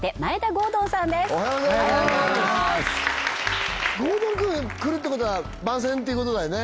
郷敦君来るってことは番宣っていうことだよね？